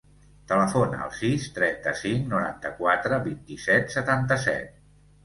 Telefona al sis, trenta-cinc, noranta-quatre, vint-i-set, setanta-set.